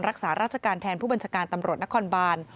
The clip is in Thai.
รักษาราชการแทนผู้บัญชาการตำรวจนครบาน